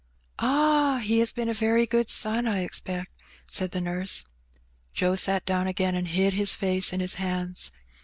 "Ah! he has been a very good son, I expect," said the nurse. Joe sat down again, and hid his face in his hands.